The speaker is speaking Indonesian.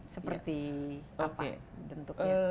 seperti apa bentuknya